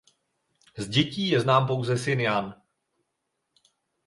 Z dětí je znám pouze syn Jan.